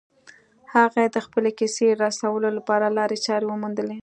هغه د خپلې کیسې رسولو لپاره لارې چارې وموندلې